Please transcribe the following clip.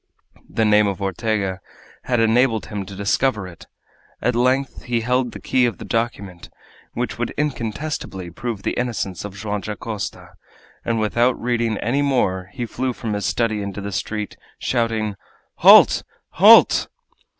The name of Ortega had enabled him to discover it! At length he held the key of the document, which would incontestably prove the innocence of Joam Dacosta, and without reading any more he flew from his study into the street, shouting: "Halt! Halt!"